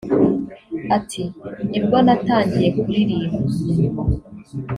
Ati “Ni bwo natangiye kuririmba